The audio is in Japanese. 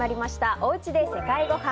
おうちで世界ごはん。